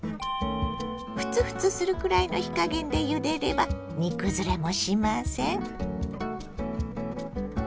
ふつふつするくらいの火加減でゆでれば煮崩れもしません。